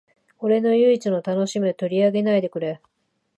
俺の唯一の楽しみを取り上げないでくれ